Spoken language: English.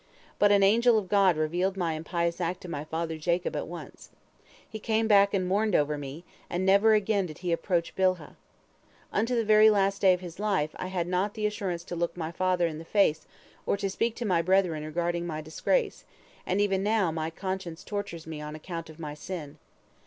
But an angel of God revealed my impious act to my father Jacob at once. He came back and mourned over me, and never again did he approach Bilhah. Unto the very last day of his life, I had not the assurance to look my father in the face or to speak to my brethren regarding my disgrace, and even now my conscience tortures me on account of my sin.